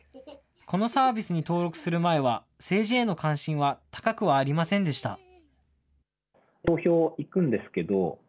このサービスに登録する前は、政治への関心は高くはありませんでした。